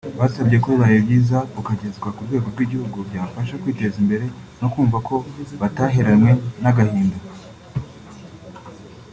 Basabye ko bibaye byiza ukagezwa ku rwego rw’igihugu byabafasha kwiteza imbere no kumva ko bataheranywe n’agahinda